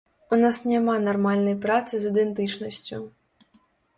У нас няма нармальнай працы з ідэнтычнасцю.